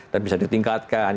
dan bisa ditingkatkan